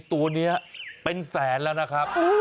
ตัวนี้เป็นแสนแล้วนะครับ